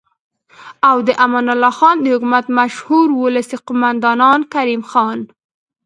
او د امان الله خان د حکومت مشهور ولسي قوماندان کریم خان